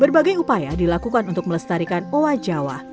berbagai upaya dilakukan untuk melestarikan owa jawa